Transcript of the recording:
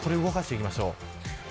動かしていきましょう。